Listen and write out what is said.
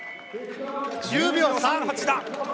１０秒３８だ！